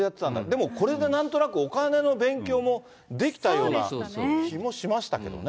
でもこれでなんとなくお金の勉強もできたような気もしましたけれどもね。